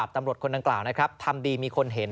ทำดีมีคนเห็น